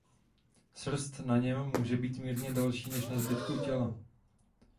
Srst na něm může být mírně delší než na zbytku těla.